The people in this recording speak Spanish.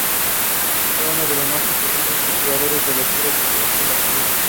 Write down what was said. Fue uno de los más importantes cultivadores de la historia social de las ideas.